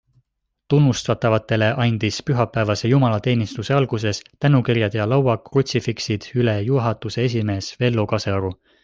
Tunnustatavatele andis pühapäevase jumalateenistuse alguses tänukirjad ja lauakrutsifiksid üle juhatuse esimees Vello Kasearu.